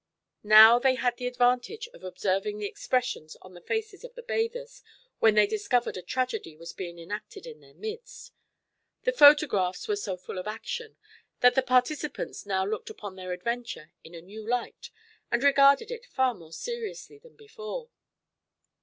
Now they had the advantage of observing the expressions on the faces of the bathers when they discovered a tragedy was being enacted in their midst. The photographs were so full of action that the participants now looked upon their adventure in a new light and regarded it far more seriously than before.